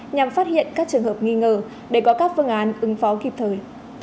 nhằm phát hiện các trường hợp nghi ngờ để có các phương án ứng phó kịp thời